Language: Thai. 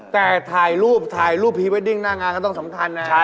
แต่ถ่ายรูปถ่ายรูปพรีเวดดิ้งหน้างานก็ต้องสำคัญนะ